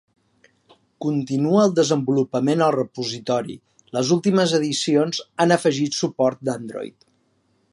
Continua el desenvolupament al repositori, les últimes addicions han afegit suport d'Android.